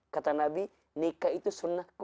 kata nabi nikah itu sunnahku